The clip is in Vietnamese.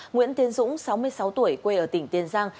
nguyễn tiến dũng sáu mươi sáu tuổi quê ở tỉnh tiền giang